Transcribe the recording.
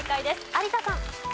有田さん。